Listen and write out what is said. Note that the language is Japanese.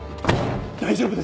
大丈夫です！